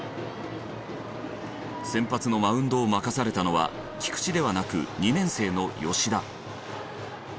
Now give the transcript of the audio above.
先発のマウンドを任されたのは菊池ではなく２年生の吉田。